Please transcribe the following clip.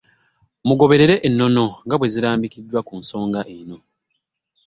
Mugoberere ennono nga bwezirambikiddwa ku nsonga eno